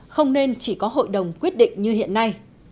không nên chỉ có hội đồng quyết định như hiện nay